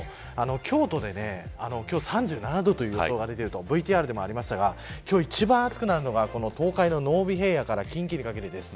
京都で今日３７度という予想が出ているとＶＴＲでもありましたが今日一番暑くなるのが東海の濃尾平野から近畿にかけてです。